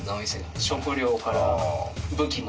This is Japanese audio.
食料から武器も。